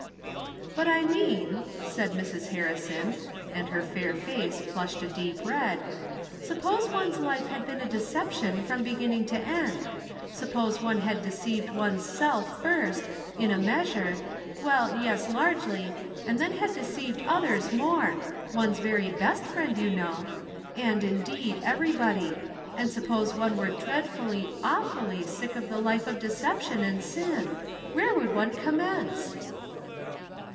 "" But I mean," said Mrs. Harrison, and her fair face flushed a deep red, " suppose one's life had been a deception from beginning to end; suppose one had deceived one's self first, in a measure — well, yes, largely, and then had de ceived others more — one's very best friend, you' know — and, indeed, everybody ; and suppose one were dreadfully, awfully sick of the life of decep tion and sin, where would one commence